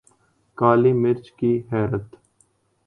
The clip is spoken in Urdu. کالی مرچ کے حیرت